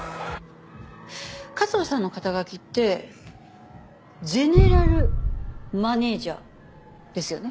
加藤さんの肩書ってゼネラルマネージャーですよね？